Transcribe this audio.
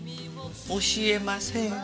教えません。